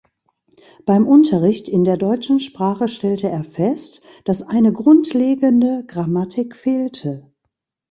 Beim Unterricht in der deutschen Sprache stellte er fest, dass eine grundlegende Grammatik fehlte.